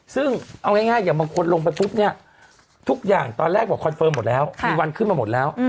ซึ่งเอาง่ายอย่างบางคนลงไปปุ๊บเนี่ยทุกอย่างตอนแรกบอกคอนเฟิร์มหมดแล้วมีวันขึ้นมาหมดแล้ว